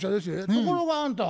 ところがあんた